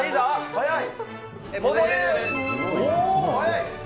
早い。